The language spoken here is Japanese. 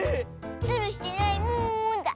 ズルしてないもんだ。